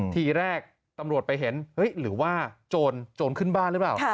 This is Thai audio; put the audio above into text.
ทีแรกตำรวจไปเห็นหรือว่าโจรขึ้นบ้านหรือเปล่า